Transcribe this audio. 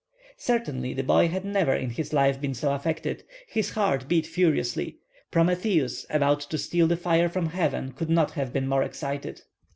Certainly, the boy had never in his life been so affected. His heart beat furiously. Prometheus, about to steal the fire from heaven, could not have been more excited.